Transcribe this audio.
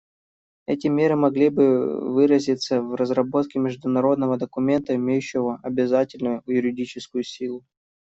Эти меры могли бы выразиться в разработке международного документа, имеющего обязательную юридическую силу.